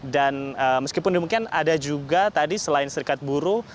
dan meskipun demikian ada juga tadi selain serikat buruh